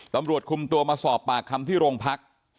ตำรวจคุมตัวมาสอบปากคำที่โรงพัก